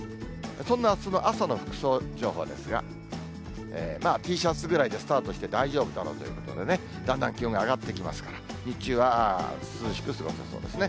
そんなあすの朝の服装情報ですが、まあＴシャツぐらいでスタートして大丈夫だろうということでね、だんだん気温が上がってきますから、日中は涼しく過ごせそうですね。